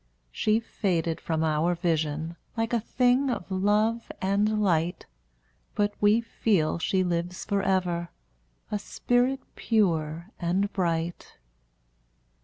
She faded from our vision, Like a thing of love and light; But we feel she lives forever, A spirit pure and bright.